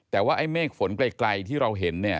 แต่ว่าเมฆฝนไกลที่เราเห็น